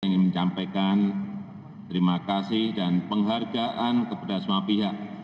saya ingin menyampaikan terima kasih dan penghargaan kepada semua pihak